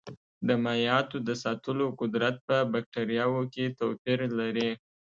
د مایعاتو د ساتلو قدرت په بکټریاوو کې توپیر لري.